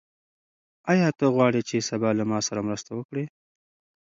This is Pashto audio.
آیا ته غواړې چې سبا له ما سره مرسته وکړې؟